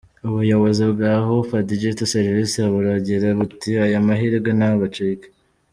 Ubuyobozi bwa Ahupa Digital Services, buragira buti “Aya mahirwe ntabacike.